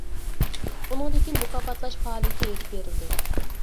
ئۇنىڭدىن كېيىن مۇكاپاتلاش پائالىيىتى ئېلىپ بېرىلدى.